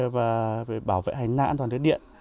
về bảo vệ hành lãn toàn đất điện